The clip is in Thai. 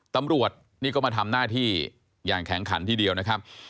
ตำรวจนี่ก็มาทำหน้าที่อย่างแข็งขันทีเดียวนะครับ